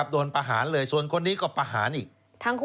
โดนประหารเลยส่วนคนนี้ก็ประหารอีก